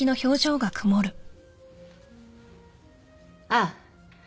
ああ。